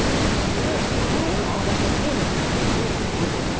えっ作ってくれたんだ。